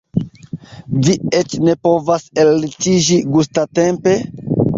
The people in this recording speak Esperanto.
Vi eĉ ne povas ellitiĝi gustatempe?